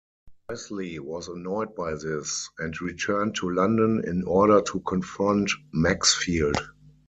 Wesley was annoyed by this and returned to London in order to confront Maxfield.